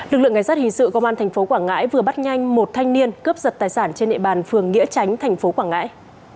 lực lượng ngành sát hình sự công an thành phố quảng ngãi vừa bắt nhanh một thanh niên cướp giật tài sản trên nệ bàn phường nghĩa tránh thành phố quảng ngãi